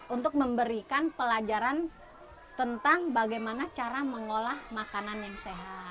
untuk memberikan pelajaran tentang bagaimana cara mengolah makanan yang sehat